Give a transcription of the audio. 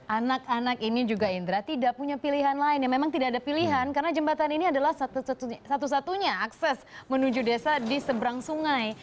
anak anak ini juga indra tidak punya pilihan lain ya memang tidak ada pilihan karena jembatan ini adalah satu satunya akses menuju desa di seberang sungai